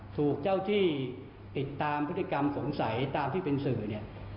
ถูกเจ้าที่ติดตามพฤติกรรมสงสัยตามที่เป็นสื่อเนี่ย